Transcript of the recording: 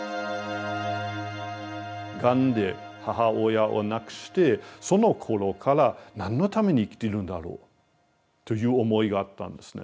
がんで母親を亡くしてそのころから何のために生きているんだろうという思いがあったんですね。